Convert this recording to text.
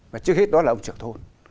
và trước hết đó là ông trường thôn